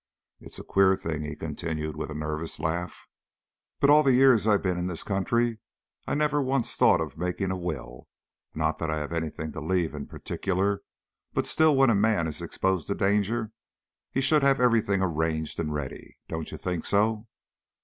It's a queer thing," he continued with a nervous laugh, "but all the years I've been in this country I never once thought of making a will not that I have anything to leave in particular, but still when a man is exposed to danger he should have everything arranged and ready don't you think so?"